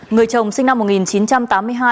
người chồng sinh năm một nghìn chín trăm tám mươi hai